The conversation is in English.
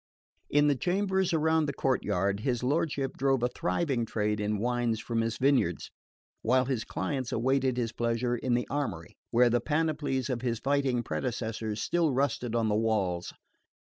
In the chambers around the courtyard his lordship drove a thriving trade in wines from his vineyards, while his clients awaited his pleasure in the armoury, where the panoplies of his fighting predecessors still rusted on the walls.